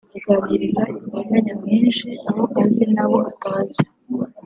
aganiriza imbaga nyamwinshi abo azi n’abo atazi